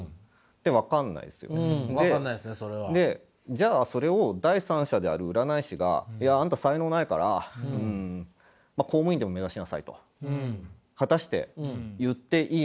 じゃあそれを第三者である占い師がいやあんた才能ないからうん公務員でも目指しなさいと果たして言っていいのか。